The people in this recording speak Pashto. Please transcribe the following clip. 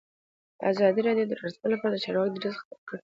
ازادي راډیو د ترانسپورټ لپاره د چارواکو دریځ خپور کړی.